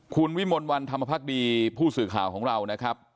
คุณวิมลวันธรรมภักดีผู้สื่อข่าวของเรานะครับ